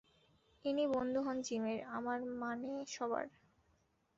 ইনি বন্ধু হোন জিমের, আমার মানে সবার।